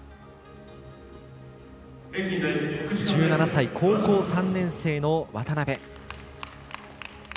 １７歳、高校３年生の渡部。